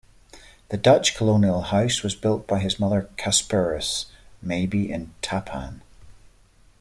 The Dutch colonial house was built by his brother Casparus Mabie in Tappan.